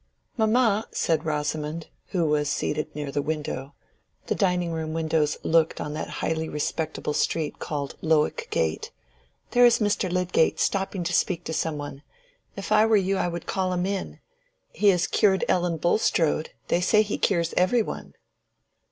"Mamma!" said Rosamond, who was seated near the window (the dining room windows looked on that highly respectable street called Lowick Gate), "there is Mr. Lydgate, stopping to speak to some one. If I were you I would call him in. He has cured Ellen Bulstrode. They say he cures every one."